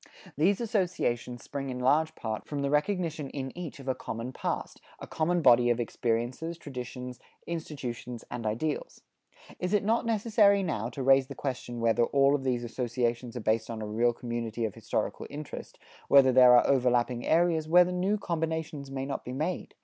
These associations spring in large part from the recognition in each of a common past, a common body of experiences, traditions, institutions and ideals. It is not necessary now to raise the question whether all of these associations are based on a real community of historical interest, whether there are overlapping areas, whether new combinations may not be made?